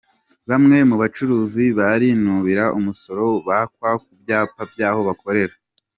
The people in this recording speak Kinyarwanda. Bamwe mu bacuruzi barinubira umusoro bakwa ku byapa by’aho bakorera